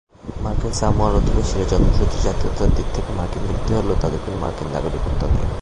মার্কিন সামোয়ার অধিবাসীরা জন্মসূত্রে জাতীয়তার দিকে থেকে মার্কিন ব্যক্তি হলেও তাদের কোনও মার্কিন নাগরিকত্ব নেই।